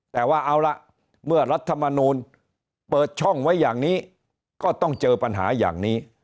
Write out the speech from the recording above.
แต่ว่าเอาละเมื่อรัฐมนูลเปิดช่องไว้อย่างนี้ก็ต้องเจอปัญหาอย่างนี้